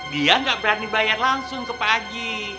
dia gak berani bayar langsung ke pak aji